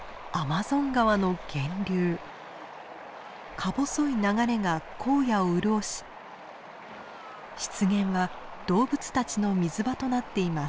か細い流れが荒野を潤し湿原は動物たちの水場となっています。